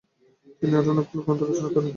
তিনি আরও অনেকগুলো গ্রন্থ রচনা করেন।